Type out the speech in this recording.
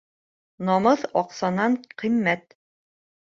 Намыҫ аҡсанан ҡиммәт.